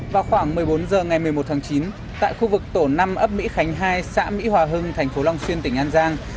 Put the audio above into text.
vào khoảng một mươi bốn h ngày một mươi một tháng chín tại khu vực tổ năm ấp mỹ khánh hai xã mỹ hòa hưng thành phố long xuyên tỉnh an giang